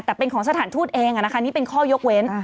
แต่เป็นของสถานทูตเองนี่เป็นข้อยกเว้น